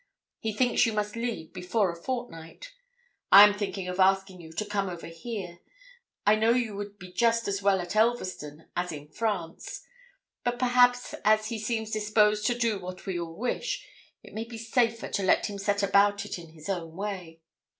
He thinks you must leave before a fortnight. I am thinking of asking you to come over here; I know you would be just as well at Elverston as in France; but perhaps, as he seems disposed to do what we all wish, it may be safer to let him set about it in his own way.